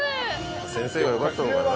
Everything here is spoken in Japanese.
先生がよかったのかな。